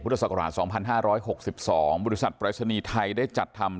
พุทธศักราชสองพันห้าร้อยหกสิบสองบริษัทปริศนีไทยได้จัดทำ